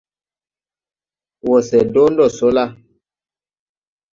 Wɔ se dɔɔ no sɔ la ?